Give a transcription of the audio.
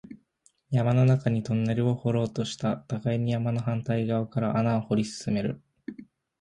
山の中にトンネルを掘ろうとした、互いに山の反対側から穴を掘り進める